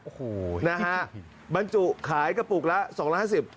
โอ้โหนะฮะมันจุขายกระปุกละ๒๕๐บาท